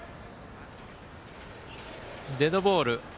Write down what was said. デッドボール。